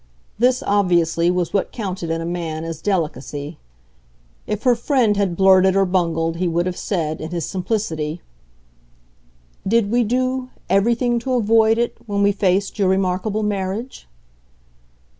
This, obviously, was what counted in a man as delicacy. If her friend had blurted or bungled he would have said, in his simplicity, "Did we do 'everything to avoid' it when we faced your remarkable marriage?"